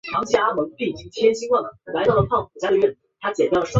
不少人出席这次盛会。